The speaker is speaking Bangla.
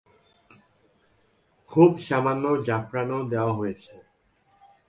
খুব সামান্য জাফরানও দেওয়া হয়েছে।